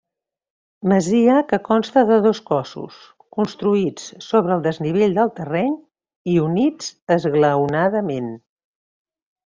Masia que consta de dos cossos, construïts sobre el desnivell del terreny, i units esglaonadament.